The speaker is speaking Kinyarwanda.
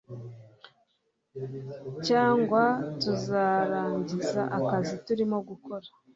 cyangwa turangize akazi turimo gukora